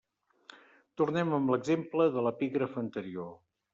Tornem amb l'exemple de l'epígraf anterior.